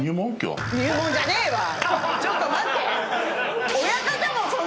ちょっと待って！